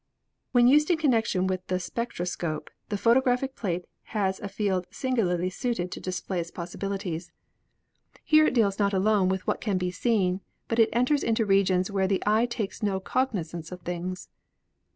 When used in connection with the spectroscope the photographic plate has a field singularly suited to display 48 ASTRONOMY its possibilities. Here it deals not alone with what can be seen, but it enters into regions where the eye takes no cognizance of things.